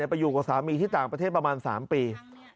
ไปอยู่กับสามีที่ต่างประเทศประมาณ๓ปี